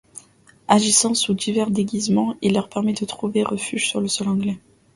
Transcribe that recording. Agissant sous divers déguisements, il leur permet de trouver refuge sur le sol anglais.